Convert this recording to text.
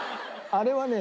あれはね